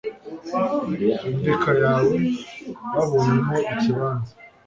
indeka yawe babonyemo ikibanza